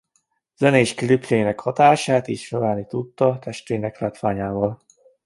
Zenés klipjeinek hatását is növelni tudta testének látványával.